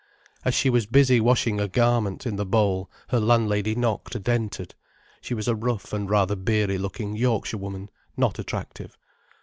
As she was busy washing a garment in the bowl, her landlady knocked and entered. She was a rough and rather beery looking Yorkshire woman, not attractive.